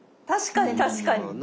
確かに確かに。